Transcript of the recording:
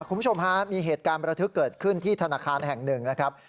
คุณผู้ชมฮะมีเหตุการณ์ประทึกเกิดขึ้นที่ธนาคารแห่งหนึ่งนะครับ